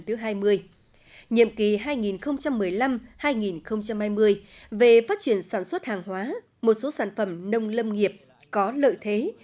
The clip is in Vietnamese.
thứ hai mươi nhiệm kỳ hai nghìn một mươi năm hai nghìn hai mươi về phát triển sản xuất hàng hóa một số sản phẩm nông lâm nghiệp có lợi thế